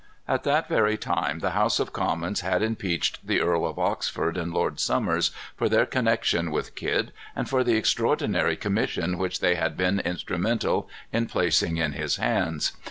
At that very time the House of Commons had impeached the Earl of Oxford and Lord Somers, for their connection with Kidd, and for the extraordinary commission which they had been instrumental in placing in his hands.